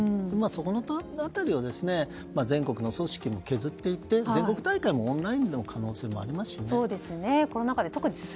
そこの辺りを全国の組織も削っていって全国大会もオンラインの可能性もありますしね。